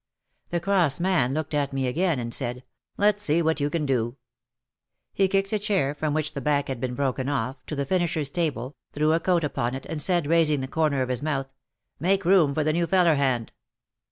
The cross man looked at me again and said, "Let's see what you can do." He kicked a chair, from which the back had been broken off, to the finisher's table, threw a coat upon it and said raising the corner of his mouth : "Make room for the new feller hand."